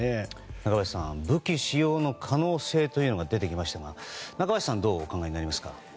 中林さん武器使用の可能性というのが出てきましたが中林さんは、どうお考えですか？